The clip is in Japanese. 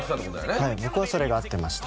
はい僕はそれが合ってました。